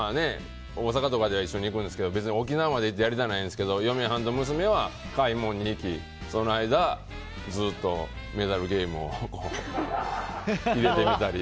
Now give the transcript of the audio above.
大阪とかでは一緒に行くんですけど別に沖縄に行ってまでやりたないんですけど嫁はんと娘は買い物に行きその間ずっとメダルゲームをやってみたり。